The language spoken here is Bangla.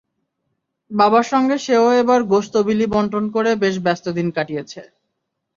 বাবার সঙ্গে সে-ও এবার গোশত বিলি বণ্টন করে বেশ ব্যস্ত দিন কাটিয়েছে।